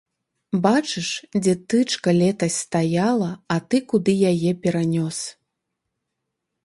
Бачыш, дзе тычка летась стаяла, а ты куды яе перанёс!